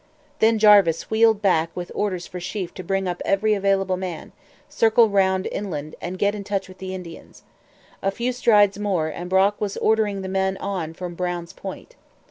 Then Jarvis wheeled back with orders for Sheaffe to bring up every available man, circle round inland, and get into touch with the Indians. A few strides more, and Brock was ordering the men on from Brown's Point.